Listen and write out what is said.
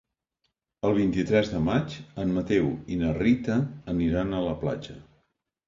El vint-i-tres de maig en Mateu i na Rita aniran a la platja.